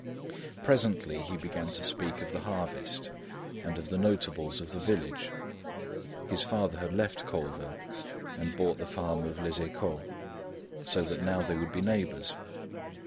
Presently he began to speak of the harvest and of the notables of the village; his father had left Colleville and bought the farm of Les Écots, so that now they would be neighbors.